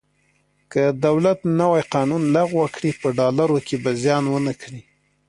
که دولت نوی قانون لغوه کړي په ډالرو کې به زیان ونه کړي.